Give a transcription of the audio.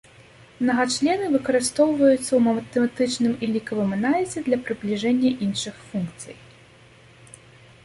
Мнагачлены выкарыстоўваюцца ў матэматычным і лікавым аналізе для прыбліжэння іншых функцый.